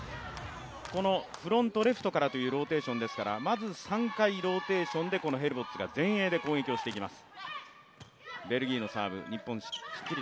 このフロント・レフトからというローテーションですからまず３回ローテーションでまずヘルボッツが前衛で攻撃をしていきます。